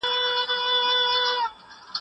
وګړپوهنه د ټولنيزو علومو په ډله کي راځي.